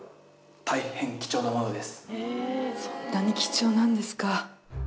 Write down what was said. そんなに貴重なんですか。